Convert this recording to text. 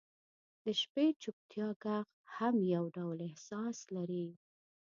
• د شپې د چوپتیا ږغ هم یو ډول احساس لري.